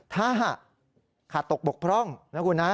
ถ้าหากขาดตกบกพร่องนะคุณนะ